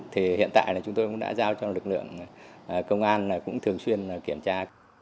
thì hiện tại là chúng tôi cũng đã giao cho lực lượng công an cũng thường xuyên kiểm tra